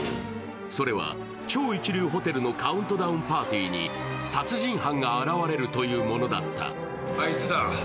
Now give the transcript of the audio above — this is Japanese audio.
それは超一流ホテルのカウントダウンパーティーに殺人犯が現れるというものだった。